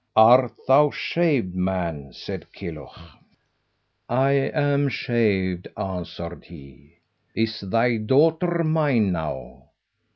"Art thou shaved, man?" said Kilhuch. "I am shaved," answered he. "Is thy daughter mine now?"